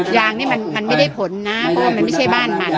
ยางนี่มันไม่ได้ผลนะเพราะว่ามันไม่ใช่บ้านมัน